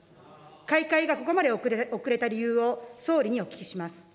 開会がここまで遅れた理由を、総理にお聞きします。